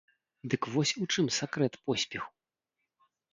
Дык вось у чым сакрэт поспеху!